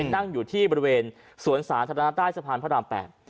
นั่งอยู่ที่บริเวณสวนสาธารณะใต้สะพานพระราม๘